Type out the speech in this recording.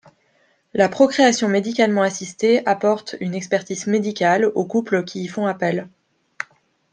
La procréation médicalement assistée apporte une expertise médicale aux couples qui y font appel.